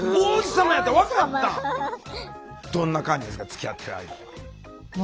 つきあってる間は。